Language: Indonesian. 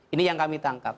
ini yang kami tangkap